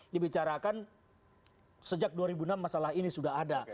dibicarakan sejak dua ribu enam masalah ini sudah ada